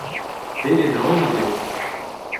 Pegen aonik eo !